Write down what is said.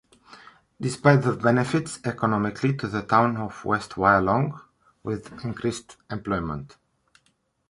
Despite the benefits economically to the town of West Wyalong with increased employment.